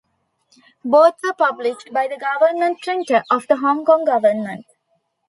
Both were published by the Government Printer of the Hong Kong Government.